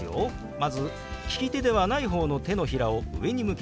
まず利き手ではない方の手のひらを上に向けます。